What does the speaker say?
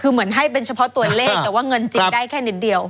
คือเหมือนให้เป็นเฉพาะตัวเลขแต่ว่าเงินจริงได้แค่นิดเดียว